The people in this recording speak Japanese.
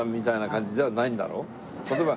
例えば。